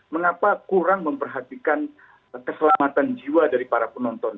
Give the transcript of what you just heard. mengapa kurang memperhatikan keselamatan jiwa dari para penonton